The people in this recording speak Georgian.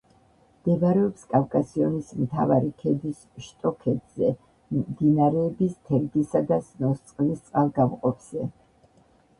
მდებარეობს კავკასიონის მთავარი ქედის შტოქედზე, მდინარეების თერგისა და სნოსწყლის წყალგამყოფზე.